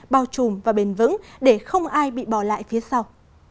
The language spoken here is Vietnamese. bao trùm và bền vững để không ai bị bỏ lại phía sau